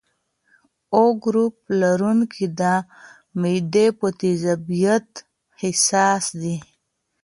O ګروپ لرونکي د معدې په تیزابیت حساس دي.